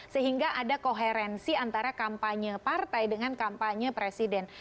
sehingga ada koherensi antara kampanye partai dengan kampanye presiden